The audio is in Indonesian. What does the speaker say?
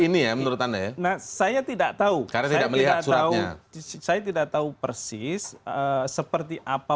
ini ya menurut anda saya tidak tahu karena tidak melihatnya saya tidak tahu persis seperti apa